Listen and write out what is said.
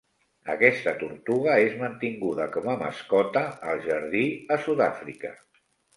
Aquesta tortuga és mantinguda com a mascota al jardí a Sud-àfrica.